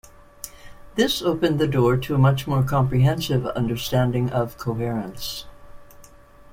This opened the door to a much more comprehensive understanding of coherence.